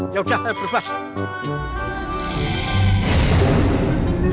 ya udah berbahas